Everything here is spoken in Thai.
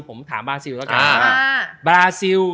ผมถามบราซิลแล้วกัน